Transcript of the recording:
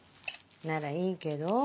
ならいいけど。